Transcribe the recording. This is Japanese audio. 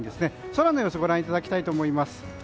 空の様子ご覧いただきたいと思います。